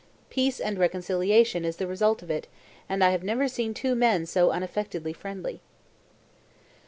Peace and reconciliation is the result of it, and I have never seen two men so unaffectedly friendly."